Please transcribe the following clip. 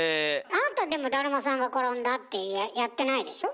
あなたでも「だるまさんがころんだ」ってやってないでしょ？